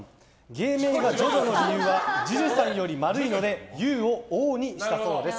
芸名がＪＯＪＯの理由はＪＵＪＵさんより丸いので「Ｕ」を「Ｏ」にしたそうです。